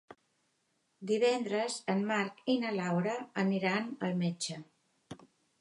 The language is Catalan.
Divendres en Marc i na Laura aniran al metge.